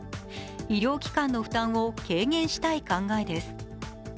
医療機関の負担を軽減したい考えです。